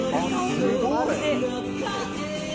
すごい！